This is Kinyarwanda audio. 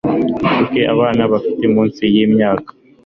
kuki abana bafite munsi y'imyaka